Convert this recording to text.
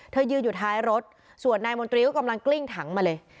ยืนอยู่ท้ายรถส่วนนายมนตรีก็กำลังกลิ้งถังมาเลย